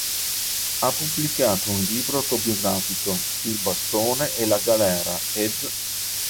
Ha pubblicato un libro autobiografico, “Il bastone e la galera”, ed.